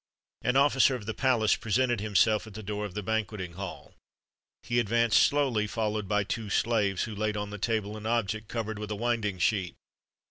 An officer of the palace presented himself at the door of the banqueting hall. He advanced slowly, followed by two slaves, who laid on the table an object covered with a winding sheet.